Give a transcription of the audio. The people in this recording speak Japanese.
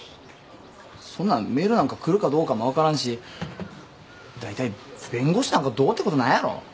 そんなんメールなんか来るかどうかも分からんしだいたい弁護士なんかどうってことないやろ。